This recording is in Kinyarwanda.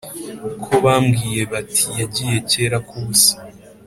ko bambwiye bati yagiye kera ak’ubusa.